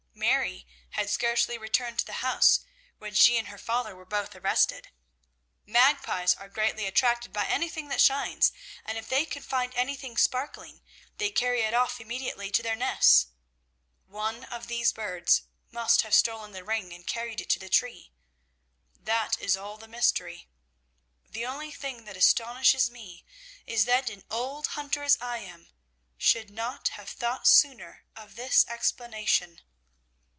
Mary had scarcely returned to the house when she and her father were both arrested. Magpies are greatly attracted by anything that shines, and if they can find anything sparkling, they carry it off immediately to their nests. One of these birds must have stolen the ring, and carried it to the tree. That is all the mystery. The only thing that astonishes me is that an old hunter, as I am, should not have thought sooner of this explanation.'